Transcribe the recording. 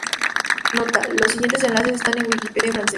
Nota: los siguientes enlaces están en la Wikipedia francesa.